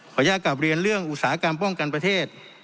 อยากกลับเรียนเรื่องอุตสาหกรรมป้องกันประเทศ